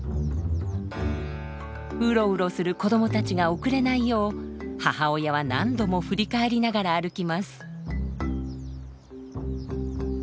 ウロウロする子どもたちが遅れないよう母親は何度も振り返りながら歩きます。